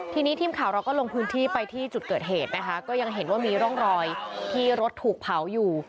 ทีนี้ทีมข่าวเราก็ลงพื้นที่ไปที่จุดเกิดเหตุนะคะก็ยังเห็นว่ามีร่องรอยที่รถถูกเผาอยู่